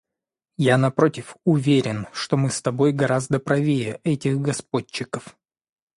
Я, напротив, уверен, что мы с тобой гораздо правее этих господчиков.